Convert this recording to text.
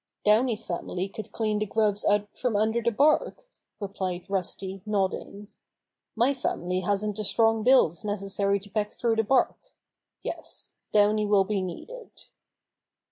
"Downy's family could clean the grubs out from under the bark," replied Rusty nodding. "My family hasn't the strong bills necessary to peck through the bark. Yes, Downy will be needed."